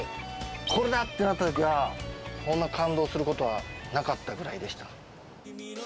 これだ！となったときは、こんな感動することはなかったぐらいでした。